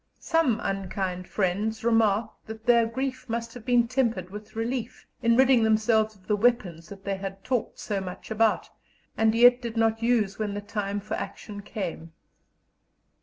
Some unkind friends remarked that their grief must have been tempered with relief, in ridding themselves of the weapons that they had talked so much about, and yet did not use when the time for action came.